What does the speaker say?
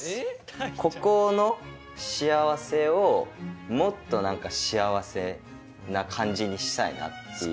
ここの幸せをもっと何か幸せな感じにしたいなっていう。